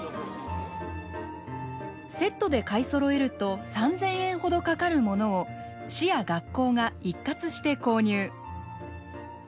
セットで買いそろえると３，０００円ほどかかるものを市や学校が一括して購入。